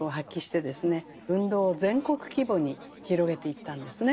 運動を全国規模に広げていったんですね。